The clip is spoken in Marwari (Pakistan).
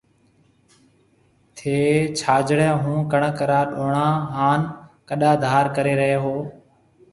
ٿَي ڇاجڙي هون ڪڻڪ را ڏونڻا هان ڪَڏآ ڌار ڪري رئي هو۔